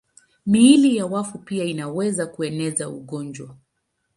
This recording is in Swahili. Miili ya wafu pia inaweza kueneza ugonjwa.